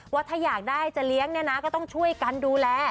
ว่าถ้าอยากได้จะเลี้ยงเนี่ยนะก็ต้องช่วยกันดูแล